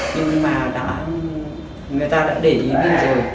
nhưng mà đã người ta đã để ý bên trời